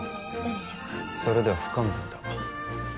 それでは不完全だ。